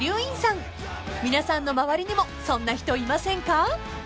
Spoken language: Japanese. ［皆さんの周りにもそんな人いませんか？］